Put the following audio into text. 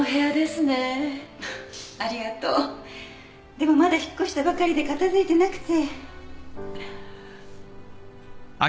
でもまだ引っ越したばかりで片付いてなくて。